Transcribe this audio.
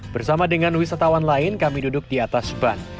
bersama dengan wisatawan lain kami duduk di atas ban